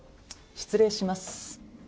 失礼します。